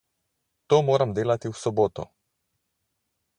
To moram delati v soboto.